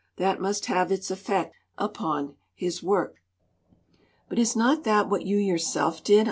That must have its effect upon his work." "But is not that what you yourself did?"